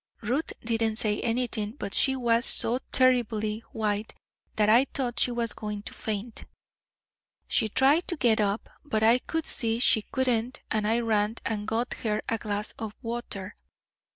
Ruth didn't say anything, but she was so terribly white that I thought she was going to faint. She tried to get up, but I could see she couldn't, and I ran and got her a glass of water.